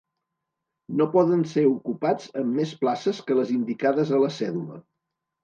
No poden ser ocupats amb més places que les indicades a la cèdula.